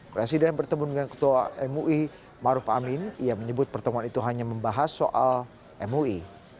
presiden bertemu dengan ketua mui maruf amin ia menyebut pertemuan itu hanya membahas soal mui